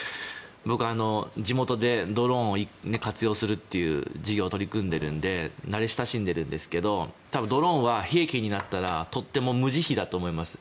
僕は、地元でドローンを活用するという事業に取り組んでいるので慣れ親しんでるんですけど多分ドローンは兵器になったらとても無慈悲だと思います。